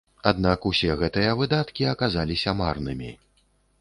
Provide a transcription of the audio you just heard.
Аднак усе гэтыя выдаткі аказаліся марнымі.